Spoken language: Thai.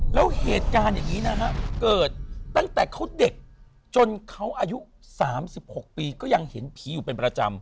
แล้วเหตุการณ์อย่างนี้นะฮะเกิดตั้งแต่เขาเด็กจนเขาอายุ๓๖ปีก็ยังเห็นผีอยู่เป็นประจำ